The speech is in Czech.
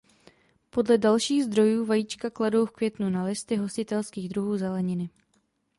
Podle dalších zdrojů vajíčka kladou v květnu na listy hostitelských druhů zeleniny.